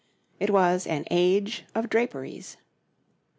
It was an age of draperies.